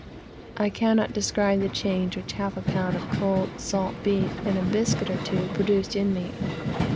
I cannot describe the change which half a pound of cold salt beef and a biscuit or two produced in me.